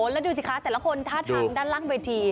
แล้วดูสิคะแต่ละคนท่าทางด้านล่างเวที